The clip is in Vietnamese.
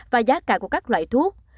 và giá cả của các loại thuốc